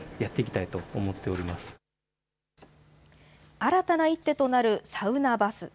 新たな一手となるサウナバス。